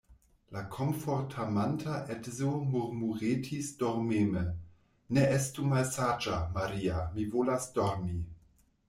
La komfortamanta edzo murmuretis dormeme: Ne estu malsaĝa, Maria; mi volas dormi.